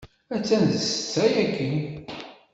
Attan d ssetta yagi.